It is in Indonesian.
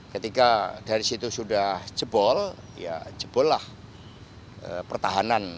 ketika dari situ sudah jebol ya jebol lah pertahanan